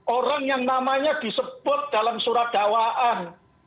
orang yang namanya disebut dalam surat dakwaan